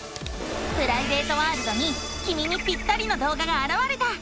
プライベートワールドにきみにぴったりの動画があらわれた！